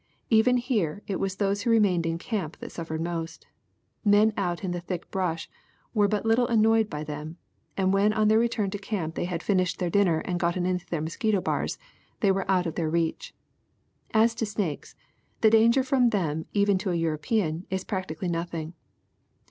Even here it was those who remained in camp that suffered most. Men out in the thick brush were but little annoyed by them, and when on their return to camp they had finished their dinner and gotten into their mosquito bars they were out of their reach. As to snakes, the danger from them even to a European, is practically nothing.